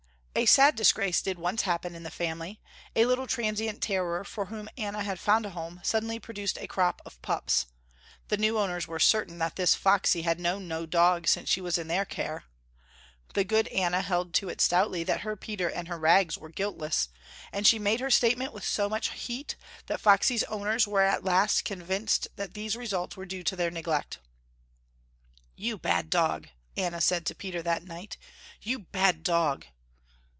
A sad disgrace did once happen in the family. A little transient terrier for whom Anna had found a home suddenly produced a crop of pups. The new owners were certain that this Foxy had known no dog since she was in their care. The good Anna held to it stoutly that her Peter and her Rags were guiltless, and she made her statement with so much heat that Foxy's owners were at last convinced that these results were due to their neglect. "You bad dog," Anna said to Peter that night, "you bad dog."